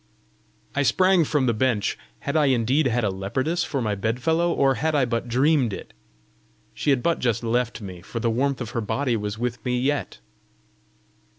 I sprang from the bench. Had I indeed had a leopardess for my bedfellow, or had I but dreamed it? She had but just left me, for the warmth of her body was with me yet!